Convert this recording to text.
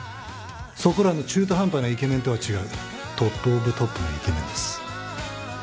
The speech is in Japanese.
そこらの中途半端なイケメンとは違うトップオブトップのイケメンです。